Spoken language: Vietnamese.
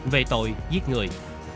về tội giết người